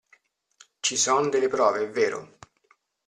Ci son delle prove è vero.